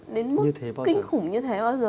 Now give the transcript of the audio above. đến mức kinh khủng như thế bao giờ